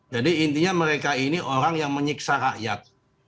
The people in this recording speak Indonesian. jadi intinya mereka ini orang yang menyiksa rakyat